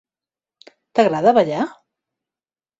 T'agrada ballar?